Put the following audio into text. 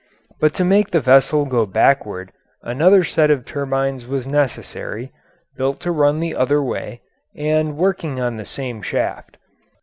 But to make the vessel go backward another set of turbines was necessary, built to run the other way, and working on the same shaft.